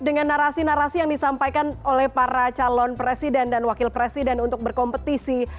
dengan narasi narasi yang disampaikan oleh para calon presiden dan wakil presiden untuk berkompetisi